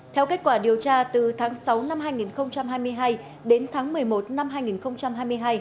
theo kết quả điều tra từ tháng sáu năm hai nghìn hai mươi hai đến tháng một mươi một năm hai nghìn hai mươi hai